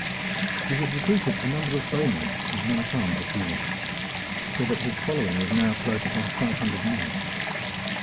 He had recruited a number of bowmen and men at arms at Dinan; so that his following was now close upon five hundred men.